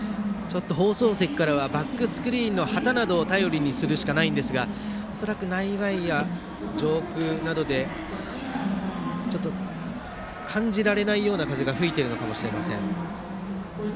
放送席からはバックスクリーンの旗などを頼りにするしかないんですが恐らく内外野の上空などで感じられないような風が吹いているのかもしれません。